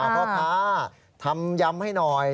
พ่อค้าทำยำให้หน่อย